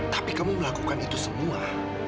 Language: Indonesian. tapi kamu melakukan itu semua